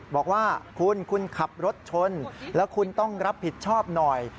บอกว่าคุณคุณขับรถชนแล้วคุณต้องรับผิดชอบหน่อย